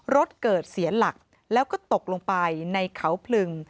รถเกิดเสียหลักแล้วก็ตกลงไปในเขาพลึง